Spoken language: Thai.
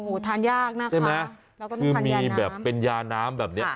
อูทานยากนะคะใช่ไหมเราก็ไม่ทานยาน้ำคือมีแบบเป็นยาน้ำแบบเนี้ย